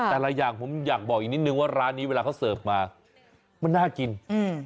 แต่ละอย่างผมอยากบอกอีกนิดนึงว่าร้านนี้เวลาเขาเสิร์ฟมามันน่ากินอืม